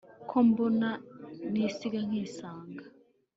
ko mbona nisiga nkisanga